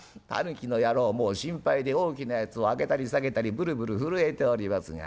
狸の野郎もう心配で大きなやつを上げたり下げたりブルブル震えておりますが。